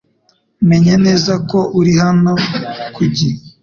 Menya neza ko uri hano ku gihe .